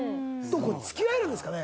付き合えるんですかね？